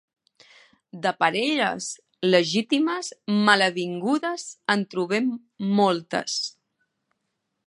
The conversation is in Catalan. De parelles legítimes malavingudes en trobem moltes.